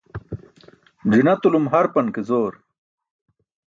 Ẓi̇natulum harpan ke zoor.